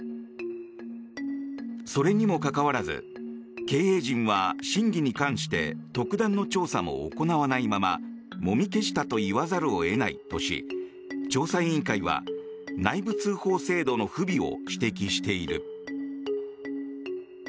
それにもかかわらず経営陣は真偽に関して特段の調査も行わないままもし消したと言わざるを得ないとし調査委員会は内部通報制度の不備を指摘している。